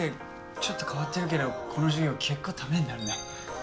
ちょっと変わってるけどこの授業結構ためになるね。